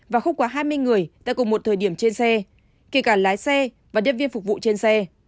và không quá hai mươi người tại cùng một thời điểm trên xe kể cả lái xe và nhân viên phục vụ trên xe